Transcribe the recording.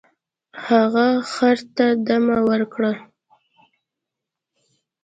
هغه خر ته دمه ورکړه.